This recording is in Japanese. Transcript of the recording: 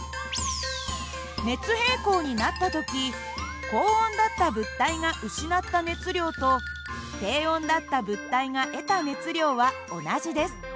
熱平衡になった時高温だった物体が失った熱量と低温だった物体が得た熱量は同じです。